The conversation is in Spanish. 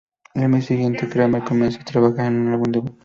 El mes siguiente Kramer comenzó a trabajar en su álbum debut.